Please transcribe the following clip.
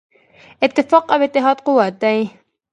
اتفاق او اتحاد قوت دی.